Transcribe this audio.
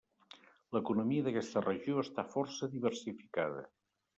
L'economia d'aquesta regió està força diversificada.